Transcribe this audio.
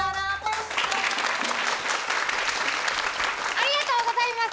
ありがとうございます。